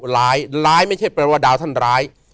ร้ายร้ายไม่ใช่แปลว่าดาวท่านร้าย